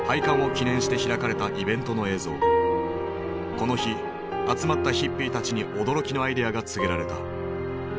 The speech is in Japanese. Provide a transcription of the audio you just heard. この日集まったヒッピーたちに驚きのアイデアが告げられた。